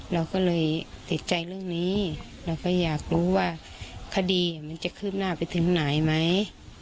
เราก็เลยติดใจเรื่องนี้เราก็อยากรู้ว่าคดีมันจะคืบหน้าไปถึงไหนไหม